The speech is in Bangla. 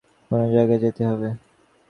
আপনাকে বাসা ছেড়ে গোপন কোনো জায়গায় যেতে হবে।